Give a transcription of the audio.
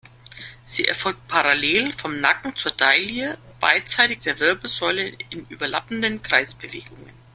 Sie erfolgt parallel vom Nacken zur Taille beidseitig der Wirbelsäule in überlappenden Kreisbewegungen.